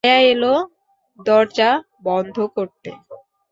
আয়া এল দরজা বন্ধ করতে।